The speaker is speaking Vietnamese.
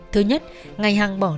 thứ nhất ngày hằng bỏ đi